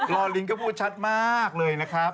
อลินก็พูดชัดมากเลยนะครับ